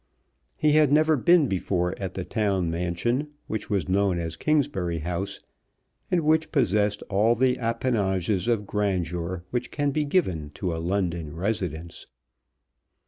He had never been before at the town mansion which was known as Kingsbury House, and which possessed all the appanages of grandeur which can be given to a London residence.